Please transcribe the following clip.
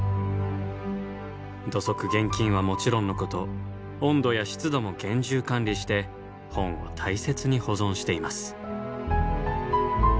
土足厳禁はもちろんのこと温度や湿度も厳重管理して本を大切に保存しています。